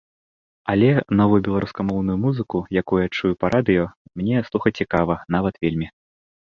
Але новую беларускамоўную музыку, якую чую па радыё, мне слухаць цікава, нават вельмі.